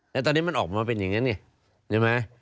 แล้วตอนนี้มันออกมาเป็นอย่างนั้นนี่ใช่ไหม